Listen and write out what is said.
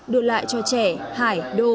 đưa lại cho trẻ hải đô